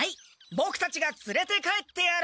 ボクたちがつれて帰ってやる。